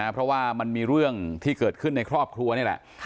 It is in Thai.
เพราะว่ามันมีเรื่องที่เกิดขึ้นในครอบครัวนี่แหละ